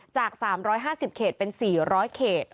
จาก๓๕๐เขตเป็น๔๐๐เขต